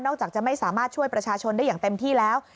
จากจะไม่สามารถช่วยประชาชนได้อย่างเต็มที่แล้ว